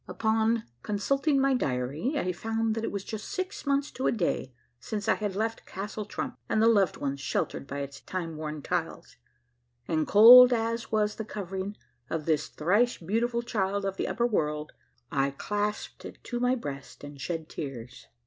Upon consulting my diar3' I found that it was just six months to a da3' since I had left Castle Trump and the loved ones sheltered b3' its time worn tiles, and cold as was the covering of this thrice beautiful child of the upper world I clasped it to my breast and shed tears.